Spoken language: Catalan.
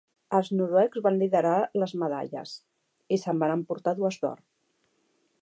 Els noruecs van liderar les medalles, i se'n van emportar dues d'or.